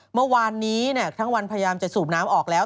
เมื่อวานนี้ทั้งวันพยายามจะสูบน้ำออกแล้ว